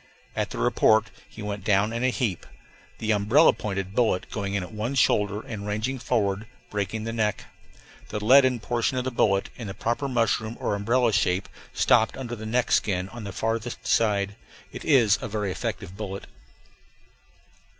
At the report he went down in a heap, the "umbrella pointed" bullet going in at one shoulder, and ranging forward, breaking the neck. The leaden portion of the bullet, in the proper mushroom or umbrella shape, stopped under the neck skin on the farther side. It is a very effective bullet.